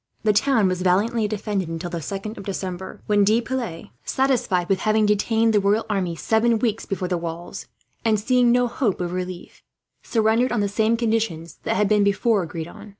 The town was valiantly defended until the 2nd of December, when De Piles, satisfied with having detained the royal army seven weeks before the walls, and seeing no hope of relief, surrendered on the same conditions that had before been agreed on.